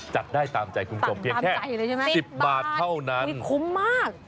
จัดได้ตามใจคุณผู้ชมเพียงแค่๑๐บาทเท่านั้นคุ้มมาก